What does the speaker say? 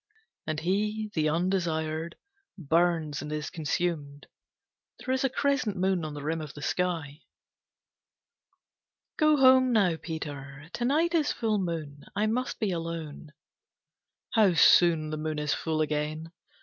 And he, the undesired, burns and is consumed. There is a crescent moon on the rim of the sky. III "Go home, now, Peter. To night is full moon. I must be alone." "How soon the moon is full again!